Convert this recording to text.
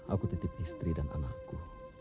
aku titip istri dan anakku